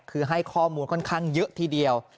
คือให้ข้อมูลค่อนข้างเยอะทีเดียว